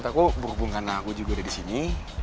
gak maksud aku berhubung karena aku juga ada disini